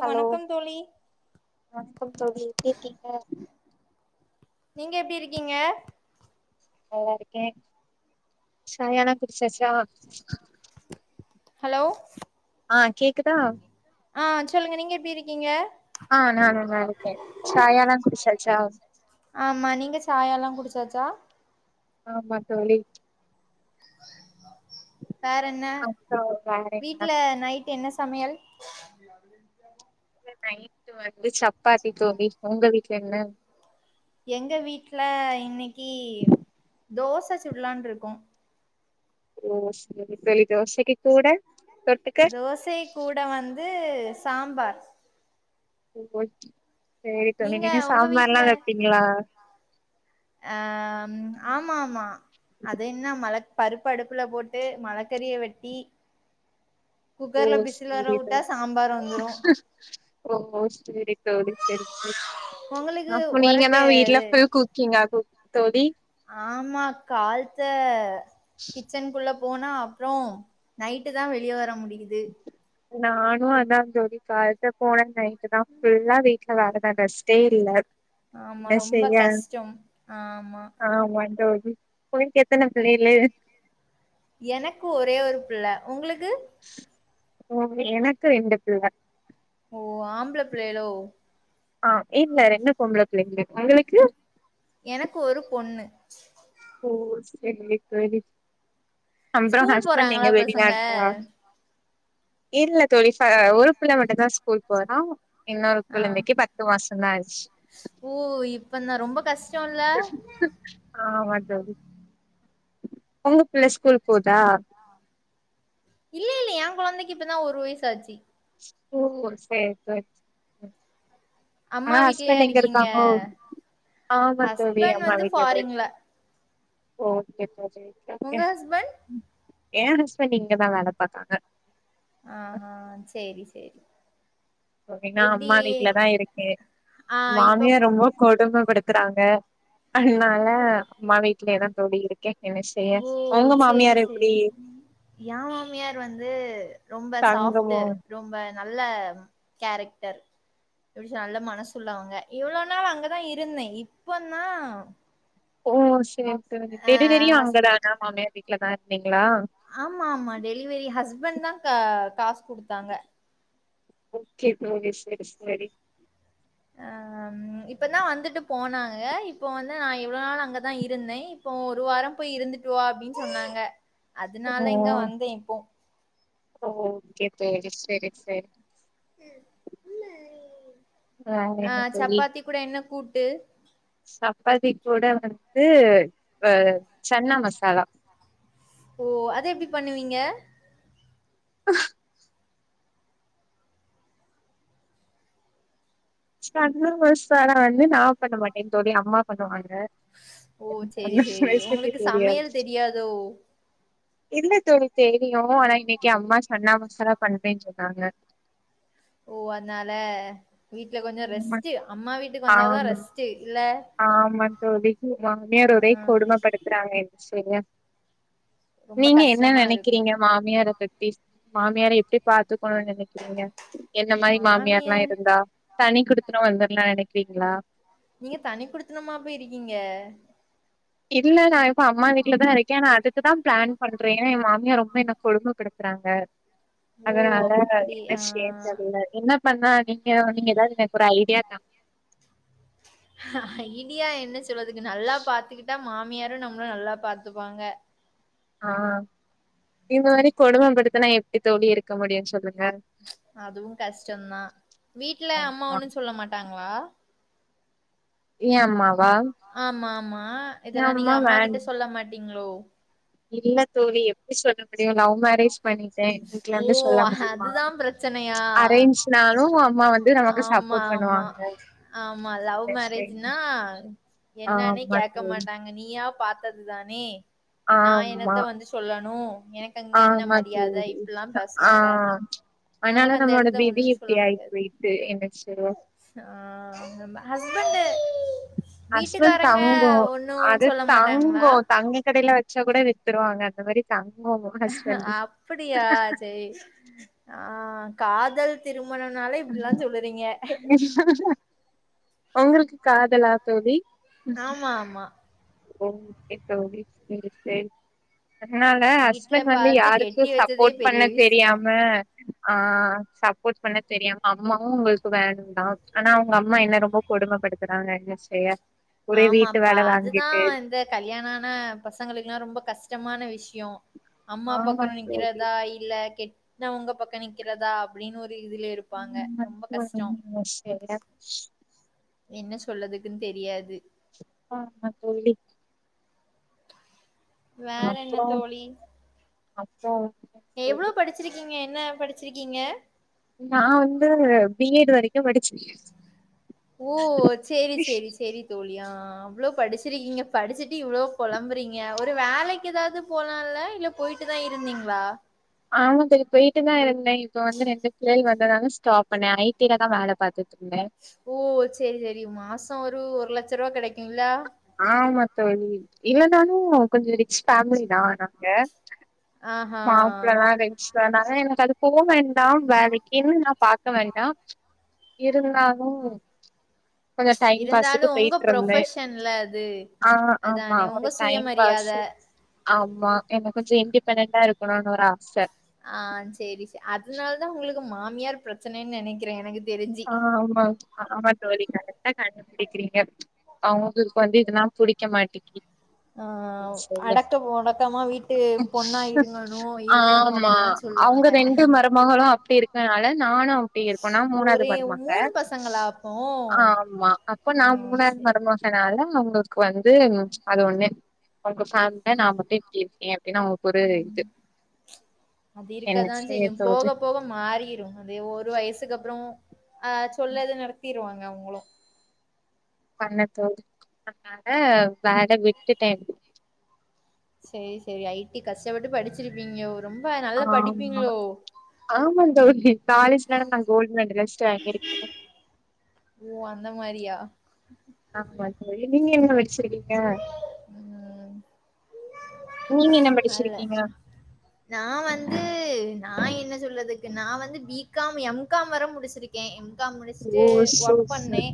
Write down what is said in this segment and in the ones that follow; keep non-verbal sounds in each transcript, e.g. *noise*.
Hello வணக்கம் தோழி வணக்கம் எப்டி இருக்கீங்க நீங்க எப்டி இருக்கீங்க நல்லா இருக்கே சாயாலா குடிச்சாச்சா ஹலோ ஆ கேக்குதா ஆ சொல்லுங்க நீங்க எப்டி இருக்கீங்க ஆ நானு நல்லா இருக்கே சாயாலா குடிச்சாச் சா ஆமா நீங்க சாயால்லா குடிச்சாச்சா ஆமா தோழி வேற என்ன அப்றோ வேற என்ன வீட்டுல நைட் என்ன சமையல் அ்ச அது இங்க நைட்டு வந்து சப்பாத்தி தோழி உங்க வீட்ல என்ன எங்க வீட்ல இன்னைக்கி தோச சுடலான் இருக்குகோ ஓ சேரி தோழி தோசைக்கி கூட தொட்டுக்க தோசை கூட வந்து சாம்பார் ஓகே சேரி தோழி நீங்க உங்க சாம்பார் ல்லா வீட்ல வப்பீங்களா அம் ஆமா ஆமா அது என்ன மல பருப்ப அடுப்புல போட்டு மலக்கறிய வெட்டி ஓ குக்கர்ல விசில் வர சேரி வுட்டா தோழி சாம்பார் வந்துரு ஓ சேரி தோழி சேரி சேரி உங்களுக்கு அப்ப நீங்க ஒரட்டு தா வீட்ல இது ஃபுல் குக்கிங்கா கு தோழி ஆமா கால் த்த கிச்சனுக்குள்ள போனா அப்பறோ நைட்டு தா வெளிய வர முடியுது நானு அதா ஜோதி கால்த்த போனே நைட்டு தா ஃபுல்லா வெ கதாகுதா ரெஷ்டே இல்ல ஆமா என்ன ரொம்ப கஷ்டம் ஆமா ஆமாஞ் ஜோதி உயக்கு எத்தன பிள்ளேளு எனக்கு ஒரே ஒரு பிள்ள உங்களுக்கு ஓ எனக்கு ரெண்டு பிள்ள ஓ ஆம்பள பிள்ளைகளோ ஆ இல்ல ரெண்டு பொம்பள பிள்ளைங்களு உங்களுக்கு எனக்கு ஒரு பொண்ணு ஓ செர்ரி செரி அம்றோ ஸ்கூல் ஹஸ்பென்ட் போறாங்களா எங்க வெளிநா பசங்க டா இல்ல தோழி ஃப ஒரு பிள்ள மட்டுதா ஸ்கூல் போறா இன்னொரு ஆ குழந்தைக்கு பத்து மாசதா ஆச்சு ஓ இப்ப நா ரொம்ப கஷ் ஆமாங்க தோழி பொண்ணு பிள்ள ஸ்கூல் போதா இல்ல இல்ல என் கொழந்தைக்கி இப்பதா ஒரு வயசாச்சி ஓ சேரி ரட் அம்மா அ வீட்லயா ஹஸ்பெண்ட்டு எங்க இருக்கீங்க இருக்காங்கோ ஆம்மா தோழி ஹஸ்பண்ட் அம்மா வந்து வீட்லருந்த ஃபாரின்ல ஓகே தோழி சேரி ஓ உங்க எஸ் ஹஸ்பண்ட் எ ஹஸ்பெண்ட் இங்கதா வேலை பாக்காங்க ஆ ஹா சேரி சேரி தோழி நா எப்டி அம்மா வீட்ல தா இருக்கே ஆ இப்ப மாமியார் ரொம்ப கொடுமப்படுத்துறாங்க அதனால அம்மா வீட்லயேதா தோழி இருக்கே என்ன செய்ய ஓ உங்க சேரி மாமியார் செரி எப்டி எ மாமியார் வந்து ரொம்ப சாஃப்டு தங்கமோ ரொம்ப நல்ல கேரெக்டர் உருஷா நல்ல மனசு உள்ளவங்க இவ்ளோ நாள் அங்கதா இருந்தே இப்பந்தா ஓ செரி செரி ஆ டெலிவெரியு ஹஸ் அங்கதான்னா மாமியார் வீட்ல தா இருந்தீங்களா ஆம்மா ஆம்மா டெலிவெரி ஹஸ்பெண்ட் தா கா காசு குடுத்தாங்க ஓக்கே தோழி செரி செரி ம் இப்பந்தா வந்துட்டு போனாங்க இப்போ வந்து நா இவ்ளோ நாள் அங்கதா இருந்தே இப்போ ஒரு வாரோ போயி இருந்துட்டு வா அப்டின்னு சொன்னாங்க அதனால இங்க வந்தேன் இப்போ. ஓ ஓக்கே செரி செரி செரி வேற என்ன தோழி அப்புறோ என்ன கூட்டு சப்பாத்தி கூட வந்துட்டு அ சென்னா மசாலா ஓ அதெப்பிடி பண்ணுவீங்க அ சென்னா மசாலா வந்து நா பண்ண மாட்டே தோழி எங்க அம்மா பண்ணுவாங்க ஓ! எ சரி, தங்கச்சி சரி. வயசே உங்களுக்கு தெரியாது சமையல் எனக்கு தெரியாதோ? இல்ல தோழி தெரியு ஆனா இன்னிக்கி அம்மா சென்னா மசாலா பண்றேன்னு சொன்னாங்க ஓ அதனால வீட்ல கொஞ்சோ ஆமா ரெஸ்ட்டு அம்மா வீட்டுக்கு வந்தாதா ஆமா ரெஸ்ட்டு இல்ல ஆமா தோழி மாமியார் அ ஒரே கொடுமப்படுத்துறாங்க என்ன செய்ய ரொம்ப நீங்க என்ன கஷ்டமா இருக்கும். நெனைக்கிறீங்க மாமியார பத்திஸ் மாமியார எப்பிடி பாத்துக்கணுனு நெனைக்கிறீங்க என்ன மாரி மாமியார்ல்லா மாமியார் இருந்தா தனி குடுத்தனு வந்துர்லா நெனைக்கிறீங்களா நீங்க தனி குடுத்தனமா போய் இருக்கீங்க இல்ல நா இப்போ அம்மா வீட்ல தா இருக்கே ஆனா அதுக்குதா பிளான் பண்றே ஏன்னா எ மாமியா ரொம்ப என்ன கொடுமப்படுத்துறாங்க *inaudible* ஓ! அதனால அப்படி. என்ன செய்ரனு ஆ. தெர்ல என்ன பண்ணா நீங்க நீங்க எதாவது எனக்கு ஒரு ஐடியா தாங் ஐடியா என்ன சொல்வதுக்கு நல்லா பாத்துக்கிட் விட்டா மாமியாரு நம்மள நல்லா பாத்துப்பாங்க ஆ இந்த மாரி கொடுமபடுத்துனா எப்பிடி தோழி இருக்க முடியு சொல்லுங்க அதுவு கஷ்டோ தா வீட்டுல அம்மா ஆமா ஒன்னு சொல்ல மாட்டாங்களா ஏ அம்மா ஆம்மா ஆம்மா இதெல்லா நீங்க அம்மா கிட்ட சொல்ல மாட்டீங்களோ இல்ல தோழி எப்பிடி சொல்ல முடியு லவ் மேரேஜ் பண்ணிகிட்டே வீட்ல ஓ! வந்து சொல்ல முடியுமா அதுதான் பிரச்சனையா அரேஞ்ச்னாலு அம்மா வந்து நமக்கு ஆம்மா சப்போர்ட் ஆம்மா பண்ணுவாங்க ஆம்மா லவ் சரி. மேரேஜ் நா என்னன்னே ஆமா கேட்க தோழி மாட்டாங்க நீயா பாத்ததுதானே நா ஆமா என்னத்த வந்து சொல்லணு எனக்கங்க என்ன ஆமா மரியாத தோழி இப்பிடில்லா ஆ பேசுவாங்க அதனால நமக்கு அந்த நம்மளோட இடத்துல விதி ஒண்ணும் இப்பிடி சொல்ல ஆயி முடியாது. போயிட்டு என்னாச்சு விடவா ஆ நம்ம ஹஸ்பண்டு ஹஸ்பண்ட் வீட்டுக்காரங்க தங்கோ ஒன்னு அது சொல்ல மாட்டாங்களா தங்கோ தங்கி கடைல வச்சா கூட வித்துருவாங்க அந்த மாரி தங்கோ ஹஸ்பண்டு அப்டியா செரி ஆ காதல் திருமணோனாலே இப்டிலா சொல்லுறீங்க உங்களுக்கு காதலா தோழி ஆமா ஆமா ஓகே தோழி சேரி சேரி அதனால வீட்ல ஹஸ்பண்ட் வந்து பாத்து யாருக்கு கெட்டி வச்சதே சப்போர்ட் பண்ண பெரிய விஷ்யோ தெரியாம ஆ சப்போட் பண்ண தெரியாம அம்மாவு உங்களுக்கு வேண்டா ஆனா அவங்க அம்மா என்ன ரொம்ப கொடும்மப்படுத்துறாங்க என்ன செய்ய ஒரே வீட்டு ஆமாபா வேல அதுதா வாங்கிட்டு இந்த கல்யாணோ ஆன பசங்களுக்குல்லா ரொம்ப கஷ்டமான விஷ்யோ அம்மா ஆமா பக்கோ தோழி நிக்கறதா இல்ல கெட்டவங்க பக்கோ நிக்கறதா அப்டின்னு ஒரு இதுலே இரு *unintelligible* என்ன சொல்லதுக்குன்னு தெரியாது ஆ ஆமா தோழி வேற என்ன அப்றோ தோழி அப்றோ எவ்ளோ படிச்சிருக்கீங்க என்ன படிச்சிருக்கீங்க நா வந்து பி எட் வரை எப்டியோ படிச்சு ஓ சேரி சேரி சேரி தோழி ஆ அவ்ளோ படிச்சிருக்கீங்க படிச்சுட்டு இவ்ளோ புழம்பறீங்க ஒரு வேலைக்கு எதாது போலால்ல இல்ல போயிட்டுதா இருந்தீங்ளா ஆமா தோழி போயிட்டுதா இருந்தேன் இப்ப வந்து ரெண்டு பிள்ளைகள் வந்ததனால ஸ்டாப் பண்ணே ஐ டிலதா வேல பாத்துட்டு இருந்த ஓ சேரி சேரி மாசோ ஒரு ஒரு லட்சரூவா கெடைக்குங்லா ஆமா தோழி இல்லனாலு கொஞ்சோ ரிச் ஃபேமிலிதா நாங்க ஆஹா மாப்ளதா ரிச் வேண்டாங்க எனக்கு அது போ வேண்டா வேலைக்குன்னு நா பாத்த மாரிதா இருந்தாலு கொஞ்சோ டைம் இருந்தாலு பாஸுக்கு உங்க போய்ட்டு இருந்த ப்ரொஃபஷன்ல அது ஆ ஆமா அதானே உங்க ஒரு டைம் சுயமரியாத பாஸு ஆமா எனக்கு கொஞ்சோ இன்டிபெண்டண்டா இருக்கணுனு ஒரு ஆச ஆ சேரி சே அதுனாலதா உங்களுக்கு மாமியார் பிரச்சனைனு நெனைக்கிற என ஆ ஆமா ஆமா தோழி கரெக்டா கண்டுபிடிக்கறீங்க அவுங்களுக்கு வந்து இதெல்லா புடிக்கமாட்டீக்கி ஆ அடக்க ஒடக்கமா வீட்டு பொண்ணா இருங்ணு இருக்கணு அப்பில்லா அவுங்க இரண்டு மருமகளு அப்டி இருக்கனால நானு அப்டி இருக்கனா மூணாது ஒரே மருமக மூணு பசங்களா அப்போ ஆமா அப்ப நா ம் மூணாது சேரி மரும கனால அவுங்களுக்கு வந்து அது ஒண்ணு *unintelligible* சாண்டனா மட்டு இப்டி இருக்கேன் அப்டின்னு அவுங்களுக்கு ஒரு இது அது என்ன இருக்கதா செய்யு செய்யதோது போக போக மாறிரு அதே ஒரு வயசுக்கு அப்றோ அ சொல்லது நடத்திருவாங்க அவங்களு பண்ண தோதி அனால வேல விட்டுட்டே சேரி சேரி ஐ டி கஷ்டப்பட்டு படிச்சிருப்பீங்ளோ ரொம்ப நல்லா ஆமா படிப்பீங்ளோ ஆமா தோழி காலேஜ்லனா நா கோல்டு மெடல்ஷ்ட் வாங்கியிருக்கேன் ஓ அந்த மாரியா ஆமா தோழி நீங்க என்ன வெச்சிரு ம் நீங்க என்ன வல்ல படிச்சிருக்கீங்க நா வந்து நா என்ன சொல்லதுக்கு நா வந்து பி காம் எம் காம் வர முடிச்சிரு கன் எம் காம் ஓ முடிச்சிட்டு ஒர்க் பண்ணே சூப்பர்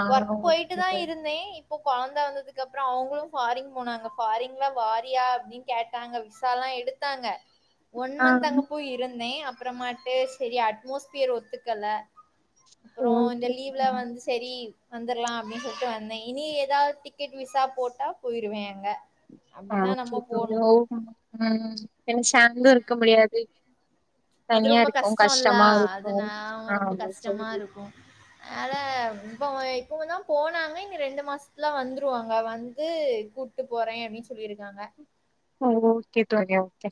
ஆ ஒர்க் ஓகே போயிட்டுதா தோழி இருந்தேன் இப்போ கொழந் த வந்ததுக்கு அப்றோ அவங்களு ஃபாரிங் போனாங்க ஃபாரிங்ல வாரியா அப்டின்னு கேட்டாங்க விசாயெல்லா எடுத்தாங்க *inaudible* ஒன் மந்த் அங்க போய் இருந்தேன் அப்பறமாட்டு செரி அட்மாஸ்பியர் ஒத்துக்கல அப்றோ இந்த ஓகே லீவ்ல தோழி வந்து சரி வந்தர்லா அப்டின் சொல்ட்டு வந்தேன் இனி ஏதாவது டி க்கெட் விசா போட்டா போயிருவேன் அங்க ஆ அப்படிதான் நம்ம போணும். சேரி ஓம் ஏனா சாந்து இருக்க முடியாது அது தனியா ரொம்ப இருக்கவு கஷ்டோல்லா கஷ்டமா இருக்கு அதுனா ரொம்ப ஆமா கஷ்டமா தோழி இருக்கு அதா இப்போ இப்பதா போனாங்க இனி ரெண்டு மாசத்துல வந்துருவாங்க வந்து கூ ப்ட்டு போறேன் அப்டி சொல்லிருக்காங்க ஓகே தோழி ஓகே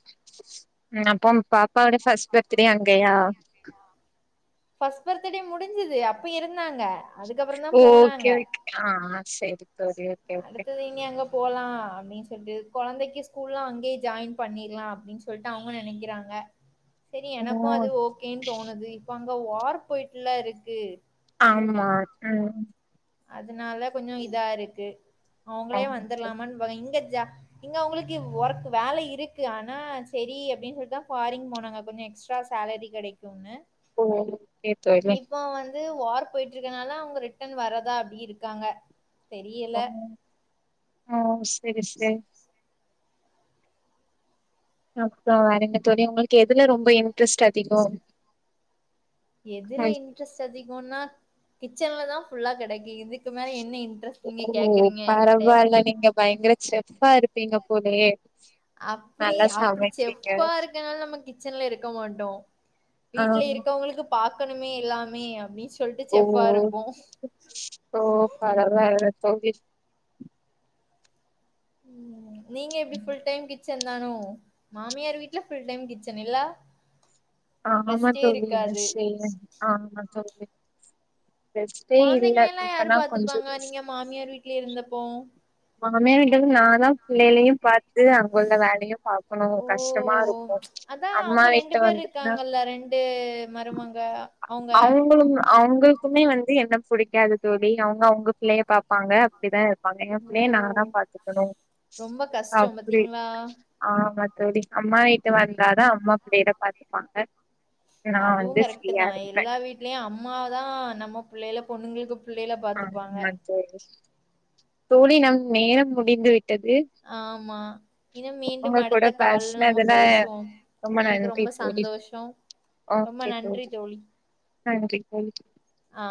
ம் அப்பம் பாப்பாவோட ஃபர்ஸ்ட் பர்த்டே அங்கயா ஃபஸ் பர்த்தடே முடிஞ்சுது அப்ப இருந்தாங்க அதுக்கப்புறம் ம் தான் போனாங்க. ஓகே ஓக் ஆ ஆ சேரி தோழி ஓகே ஓகே அடுத்தது இனி அங்க போலா அப்டின் சொல்ட்டு கொழந்தைக்கு ஸ்கூல்லா அங்கே ஜாயின் பண்ணிர்லா அப்டின் சொல்ட்டு அவுங்க நெனைக்கிறாங்க *inaudible* சேரி எனக்கு அது ஓக்கேன் தோணுது இப்ப அங்க வார் போயிட்டுலா இருக்கு ஆமா ம் அதனால கொஞ்சோ இதா இருக்கு அவுங்களே ஓகே வந்துர்லாமான் பை இங்க ஜா இங்க அவுங்களுக்கு ஒர்க் வேல இருக்கு ஆனா சேரி அப்டி சொல்ட்டுதா ஃபாரின் போனாங்க கொஞ்ச எக்ஸ் ட்டா சேலரி கெடைக்குனு ஓகே தோழி இப்ப வந்து வார் போயிட்டுருக்கனால அவுங்க ரிட்டர்ன் வர தா அப்டி இருக்காங்க ஓ ஓ சேரி சேரி அப்றோ வேறென்ன தோழி உங்களுக்கு எதுல ரொம்ப இன்ட்ரெஸ்ட் அதிகோ எதுல ம் இன்ட்ரெஸ்ட் அதிகோனா கிச்சன்ல தா ஃபுல்லா கெடக்கே இதுக் ஓ என்கிட்ட பரவாயில்ல நீங்க பயங்கர செஃப்ஃபா இருப்பீங்க போலயே அப்புடி நல்லா அப்படி சமைக்கிறீங்க செஃப்ஃபா இருக்கனால நம்ம கிச்சன்ல இருக்க மாட்டோ ஆ வீட்ல இருக்கவுங்களுக்கு பாக்கணுமே எல்லாமே அப்டின் சொல்ட்டு ஓ செஃப்ஃபா இருப்போ ஓ பரவால்ல தோழி ம் நீங்க எப்டி ஃபுல் டைம் கிச்சன் தானோ மாமியார் வீட்ல ஃபுல் டைம் கிச்சன் இல்ல ஆமா ரெஸ்ட்டே தோழி என்ன இருக்காது செய்ய ஆமா தோழி ரெஸ்ட்டே இல்ல கொழந்தைங்களயெல்லா யாரு இப்பனா கொஞ்ச பாத்துப்பாங்க ரெஸ்ட் நீங்க மாமியார் வீட்லே இருந்தப்போ மாமியா வீட்டுக்கு நாதா பிள்ளைளயு பாத் து அங்க உள்ள வேலயு பாக்கணு ஓ கஷ்டமா இருக்கு அம்மா வீட்ல வந்துட்னா டு மருமங்க அவுங்க *unintelligible* அவுங்கள் எத்துமே வந்து என்ன புடிக்காது தோழி அவுங்க அவுங்க பிள்ளைய பாப்பாங்க அப்டிதா இருப்பாங்க எங்க ஓ பிள்ளைய நாங்கதா பாத்துக்கணு ரொம்ப கஷ்டோ அப்டி பாத்தீங்களா ஆமா தோழி அம்மா வீட்டு வந்தாதா அம்மா பிள்ளைல பாத்துப்பாங்க நா அதுவு வந்து கரெக்ட்டு ஃப்ரீயா தா இருப்பே எல்லா வீட்லயு அம்மா தா நம்ம புள்ளைல பொண்ணுங்களுக்கு புள்ளைல பாத்துப்பாங்க ஆமா தோழி தோழி நம் நேரம் முடிந்து விட்டது ஆமா இன்னு உங்க மீண்டும் கூட அடுத்த கால்ல நம்ம பேசுனதுல பேசுவோம் எனக்கு நன்றி ரொம்ப தோழி சந்தோஷோ ரொம்ப நன்றி தோழி நன்றி நன்றி ஆ